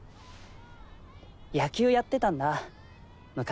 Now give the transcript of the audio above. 野球やってたんだ昔。